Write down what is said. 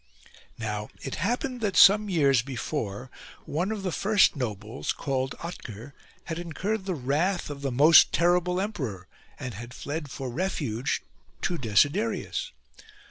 Now it happened that some years before one of the first nobles, called Otker, had incurred the wrath of the most terrible emperor, and had fled for refuge to Desiderius.